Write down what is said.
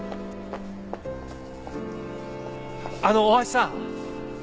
あのう大橋さん。